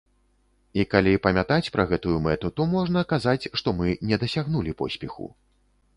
І калі памятаць пра гэтую мэту, то можна казаць, што мы не дасягнулі поспеху.